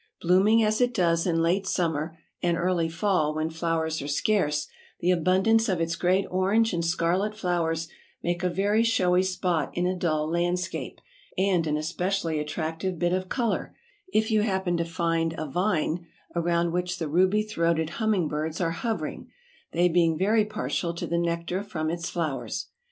Blooming as it does in late summer, and early fall when flowers are scarce, the abundance of its great orange and scarlet flowers make a very showy spot in a dull landscape, and an especially attractive bit of color, if you happen to find a vine around which the ruby throated hummingbirds are hovering, they being very partial to the nectar from its flowers.